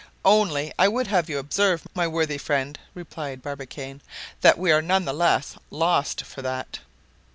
"Only, I would have you observe, my worthy friend," replied Barbicane, "that we are none the less lost for that."